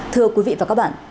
thưa quý vị và các bạn